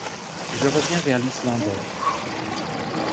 Je reviens vers l’Islandais.